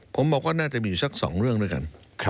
ผมบอกว่าน่าจะมีสัก๒เรื่องด้วยกัน